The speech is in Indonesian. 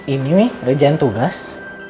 ini weh ngerjain tugas